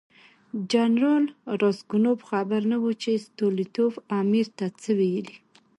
جنرال راسګونوف خبر نه و چې ستولیتوف امیر ته څه ویلي.